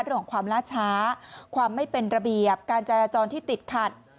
เรื่องของความล่าช้าความไม่เป็นระเบียบการจราจรที่ติดขัด